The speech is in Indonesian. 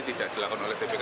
tidak dilakukan oleh tpk